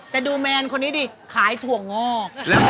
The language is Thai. แต่ดูแมนคนนี้ดิขายถั่วงอก